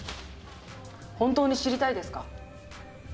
本当に知りたいですか？